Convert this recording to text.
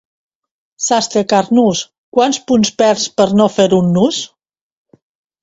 Sastre carnús, quants punts perds per no fer un nus!